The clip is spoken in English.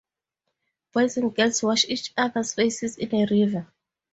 Boys and girls wash each other's faces in a river.